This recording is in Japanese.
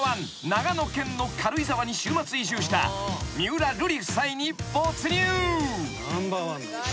長野県の軽井沢に週末移住した三浦瑠麗夫妻に没入］